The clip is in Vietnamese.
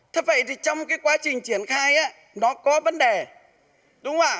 thế vậy thì trong cái quá trình triển khai nó có vấn đề đúng không ạ